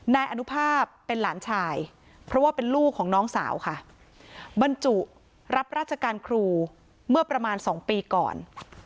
นายอนุภาพเป็นหลานชายเพราะว่าเป็นลูกของน้องสาวค่ะบรรจุรับราชการครูเมื่อประมาณ๒ปีก่อน